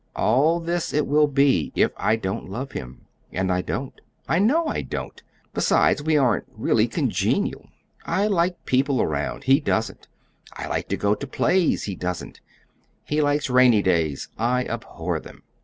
All this it will be if I don't love him; and I don't. I know I don't. Besides, we aren't really congenial. I like people around; he doesn't. I like to go to plays; he doesn't. He likes rainy days; I abhor them.